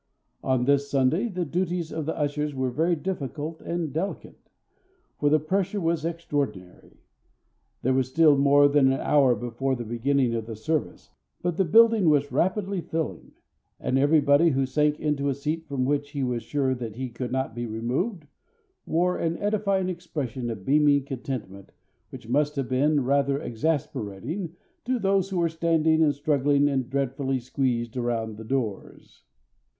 On this Sunday the duties of the ushers were very difficult and delicate, for the pressure was extraordinary. There was still more than an hour before the beginning of the service, but the building was rapidly filling; and everybody who sank into a seat from which he was sure that he could not be removed wore an edifying expression of beaming contentment which must have been rather exasperating to those who were standing and struggling and dreadfully squeezed around the doors.